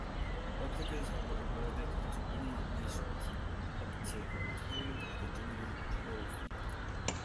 Replicas were awarded to winning nations up to the retirement of the genuine trophy.